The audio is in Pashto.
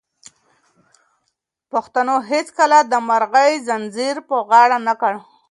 خو پښتنو هيڅکله د غلامۍ زنځير په غاړه نه کړ.